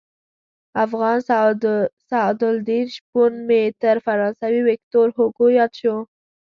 افغان سعدالدین شپون مې تر فرانسوي ویکتور هوګو ياد شو.